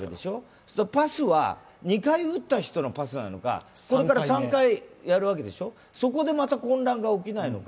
そうするとパスは２回打ったひとのパスなのかこれから３回やるわけでしょ、そこでまた混乱が起きないのか。